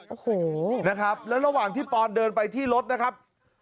โอ้โหนะครับแล้วระหว่างที่ปอนเดินไปที่รถนะครับ